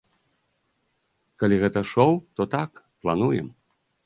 Калі гэта шоў, то так, плануем!